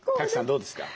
どうですか？